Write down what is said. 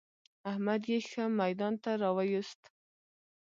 احمد يې ښه ميدان ته را ويوست.